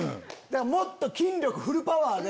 もっと筋力フルパワーで。